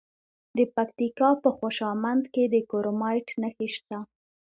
د پکتیکا په خوشامند کې د کرومایټ نښې شته.